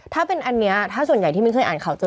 ถ้าเป็นอันนี้ถ้าส่วนใหญ่ที่มิ้นเคยอ่านข่าวเจอ